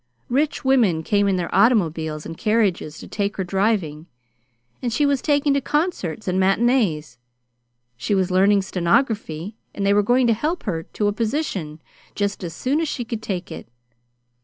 Rich women came in their automobiles and carriages to take her driving, and she was taken to concerts and matinees. She was learnin' stenography, and they were going to help her to a position just as soon as she could take it.